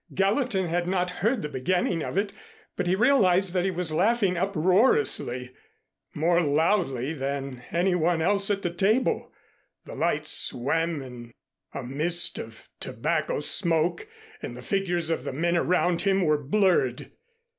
Gallatin had not heard the beginning of it, but he realized that he was laughing uproariously, more loudly than any one else at the table. The lights swam in a mist of tobacco smoke and the figures of the men around him were blurred.